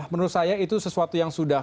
menurut saya itu sesuatu yang sudah